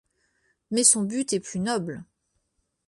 Mais son but est plus noble.